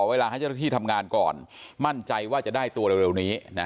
เวลาให้เจ้าหน้าที่ทำงานก่อนมั่นใจว่าจะได้ตัวเร็วนี้